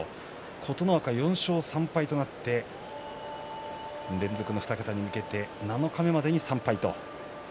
琴ノ若、４勝３敗となって連続の２桁に向けて七日目までに３敗と。